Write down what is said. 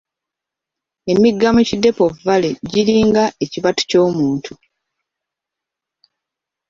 Emigga mu Kidepo Valley giringa ekibatu ky'omuntu.